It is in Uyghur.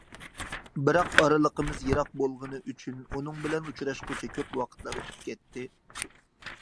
بىراق ئارىلىقىمىز يىراق بولغىنى ئۈچۈن ئۇنىڭ بىلەن ئۇچراشقۇچە كۆپ ۋاقىتلار ئۆتۈپ كەتتى.